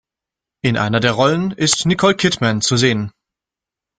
In einer der Rollen ist Nicole Kidman zu sehen.